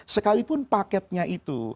sekalipun paketnya itu